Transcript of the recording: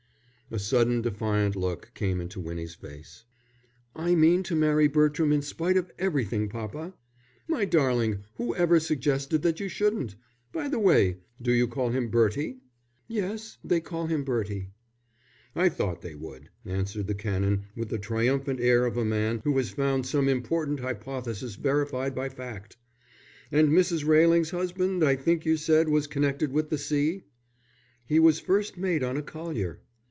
A sullen, defiant look came into Winnie's face. "I mean to marry Bertram in spite of everything, papa." "My darling, whoever suggested that you shouldn't? By the way, do they call him Bertie?" "Yes, they call him Bertie." "I thought they would," answered the Canon, with the triumphant air of a man who has found some important hypothesis verified by fact. "And Mrs. Railing's husband I think you said was connected with the sea?" "He was first mate on a collier."